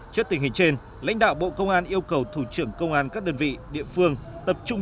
trước tình hình trên lãnh đạo bộ công an yêu cầu thủ trưởng công an các đơn vị địa phương tập trung